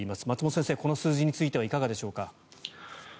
松本先生、この数字についてはいかがでしょうか。